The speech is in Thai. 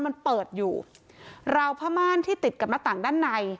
มันเปิดอยู่ราวผ้าม่านที่ติดกับหน้าต่างด้านใน